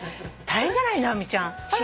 大変じゃない？直美ちゃん。